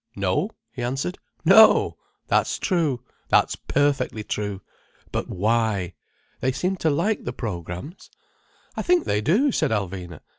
"No," he answered. "No! That's true. That's perfectly true. But why? They seem to like the programs." "I think they do," said Alvina.